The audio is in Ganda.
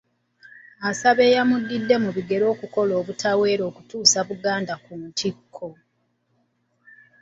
Asaba eyamuddidde mu bigere okukola obutaweera okutuusa Buganda ku ntikko.